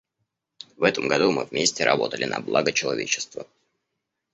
В этом году мы вместе работали на благо человечества.